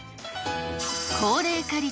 高齢化率